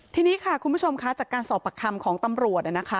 ทีนี้ค่ะคุณผู้ชมค่ะจากการสอบปากคำของตำรวจนะคะ